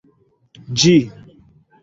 Ĝi